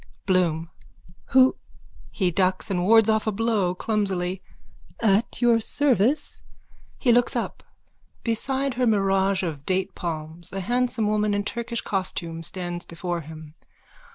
BLOOM: Who? (He ducks and wards off a blow clumsily.) At your service. _(He looks up. Beside her mirage of datepalms a handsome woman in Turkish costume stands before him.